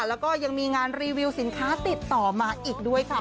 แล้วก็ยังมีงานรีวิวสินค้าติดต่อมาอีกด้วยค่ะ